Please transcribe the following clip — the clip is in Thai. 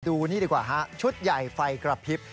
ดูนี่ดีกว่าฮะชุดใหญ่ไฟกระพริบ